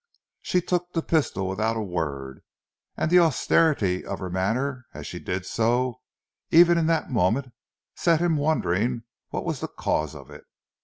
She took the pistol without a word, and the austerity of her manner as she did so, even in that moment, set him wondering what was the cause of it.